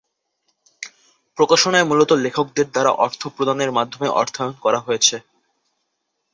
প্রকাশনায় মূলত লেখকদের দ্বারা অর্থ প্রদানের মাধ্যমে অর্থায়ন করা হয়েছে।